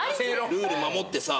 ルール守ってさ。